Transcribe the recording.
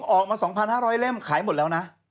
ออกมา๒๕๐๐เล่มขายหมดแล้วนะ